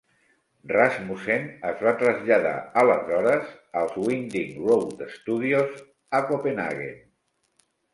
Rasmussen es va traslladar aleshores als Winding Road Studios a Copenhaguen.